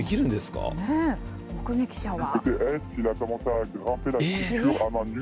目撃者は。